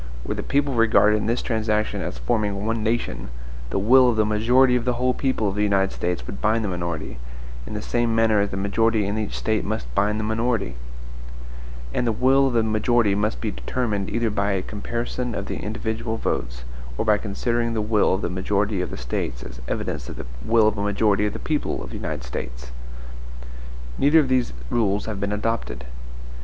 Were the people regarded in this transaction as forming one nation, the will of the majority of the whole people of the United States would bind the minority, in the same manner as the majority in each State must bind the minority; and the will of the majority must be determined either by a comparison of the individual votes, or by considering the will of the majority of the States as evidence of the will of a majority of the people of the United States. Neither of these rules have been adopted.